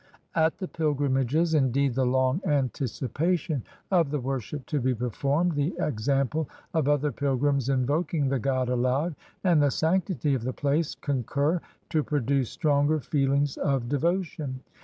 At the pilgrimages, indeed, the long anticipation of the worship to be performed, the ex ample of other pilgrims invoking the god aloud, and the sanctity of the place, concur to produce stronger feelings of devotion.